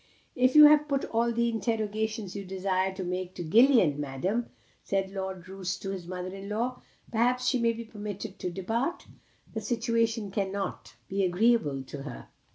"If you have put all the interrogations you desire to make to Gillian, Madam," said Lord Roos to his mother in law, "perhaps she may be permitted to depart? The situation cannot be agreeable to her."